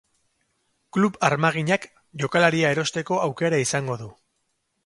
Klub armaginak jokalaria erosteko aukera izango du.